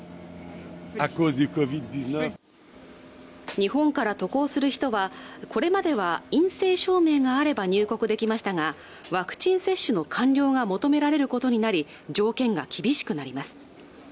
日本から渡航する人はこれまでは陰性証明があれば入国できましたがワクチン接種の完了が求められることになり条件が厳しくなります